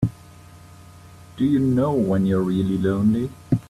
Do you know when you're really lonely?